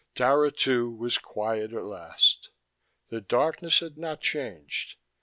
Dara, too, was quiet at last. The darkness had not changed.